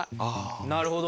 なるほど。